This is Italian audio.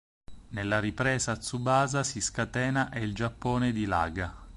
Nella ripresa Tsubasa si scatena e il Giappone dilaga.